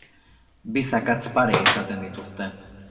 Bi zakatz pare izaten dituzte.